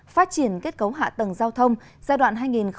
phát triển kết cấu hạ tầng giao thông giai đoạn hai nghìn hai mươi hai nghìn ba mươi